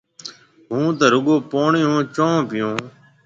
هُون تو رُگو پوڻِي هانَ چونه پِيو هون۔